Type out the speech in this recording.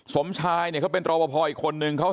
สมชายเป็นตรวพพออีกคนเนี่ย